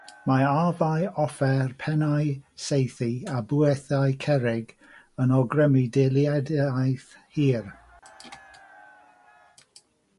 Mae arfau, offer, pennau saethau a bwyelli cerrig yn awgrymu deiliadaeth hir.